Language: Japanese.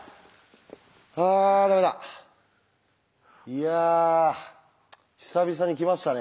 いや久々にきましたね